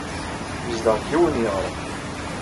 Yezdeɣ deg yiwen n yeɣrem.